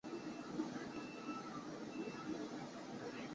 共形反常是一种在量子化过程中出现的一个现象。